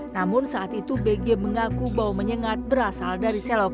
namun saat itu pegawai koperasi yang bertemu dengan pemilik sertifikat